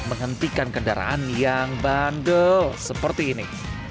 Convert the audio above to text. menghentikan kendaraan yang bandel seperti ini